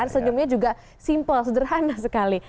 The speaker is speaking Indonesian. senyumnya juga simpel sederhana sekali